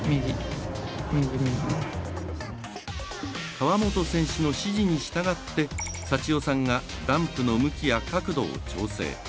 河本選手の指示に従って幸代さんがランプの向きや角度を調整。